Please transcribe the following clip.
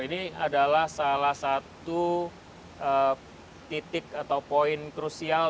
ini adalah salah satu titik atau poin krusial